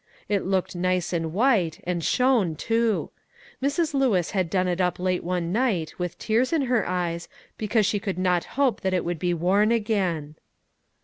It looked nice and white, and shone, too. Mrs. Lewis had done it up late one night, with tears in her eyes, because she could not hope that it would be worn again.